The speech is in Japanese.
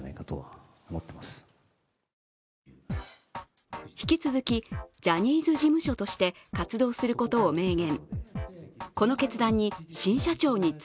会見では引き続き、ジャニーズ事務所として活動することを明言。